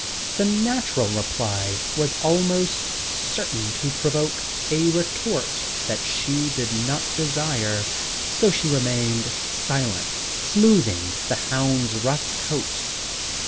The natural reply was almost certain to provoke a retort that she did not desire, so she remained silent, smoothing the hound's rough coat.